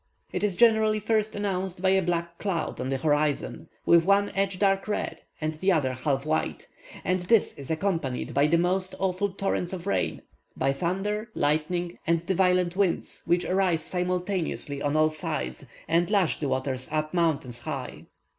It is generally first announced by a black cloud on the horizon, with one edge dark red, and the other half white; and this is accompanied by the most awful torrents of rain, by thunder, lightning, and the violent winds, which arise simultaneously on all sides, and lash the waters up mountains high.